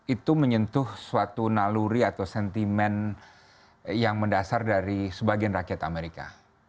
itu menyentuh suatu naluri atau sentimen yang mendasar dari sebagian rakyat amerika